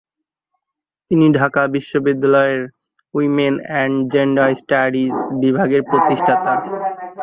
তিনি ঢাকা বিশ্ববিদ্যালয়ের women and gender studies বিভাগের প্রতিষ্ঠাতা।